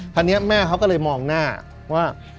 คราวนี้แม่เขาก็เลยมองหน้าว่า